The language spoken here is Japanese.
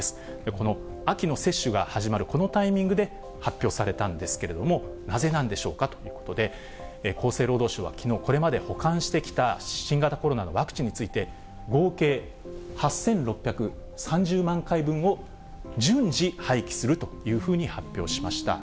この秋の接種が始まるこのタイミングで発表されたんですけれども、なぜなんでしょうかということで、厚生労働省はきのう、これまで保管してきた新型コロナのワクチンについて、合計８６３０万回分を、順次廃棄するというふうに発表しました。